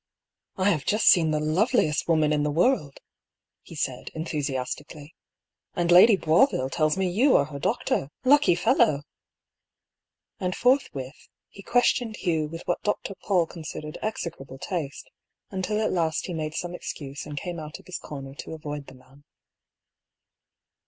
" I have just seen the loveliest woman in the world," he said, enthusiastically ;" and Lady Boisville tells me you are her doctor. Lucky fellow !" And forthwith he questioned Hugh with what Dr. PauU considered execrable taste, until at last he made some excuse and came out of his comer to avoid the man.